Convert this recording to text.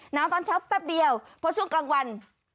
ตอนเช้าแป๊บเดียวเพราะช่วงกลางวัน